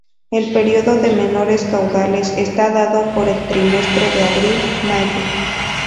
El período de menores caudales está dado por el trimestre de abril, mayo.